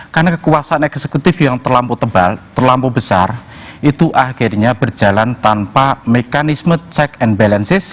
karena kekuasaan eksekutif yang terlampau tebal terlampau besar itu akhirnya berjalan tanpa mekanisme check and balances